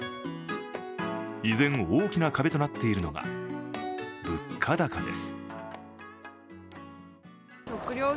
依然大きな壁となっているのが物価高です。